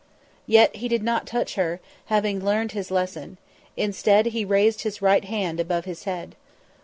Yet he did not touch her, having learned his lesson; instead, he raised his right hand above his head.